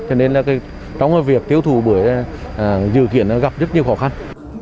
cho nên trong việc tiêu thụ bưởi dự kiện gặp rất nhiều khó khăn